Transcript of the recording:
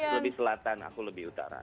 lebih selatan aku lebih utara